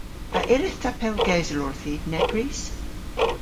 A yllydh ta pellgewsel orthiv nepprys?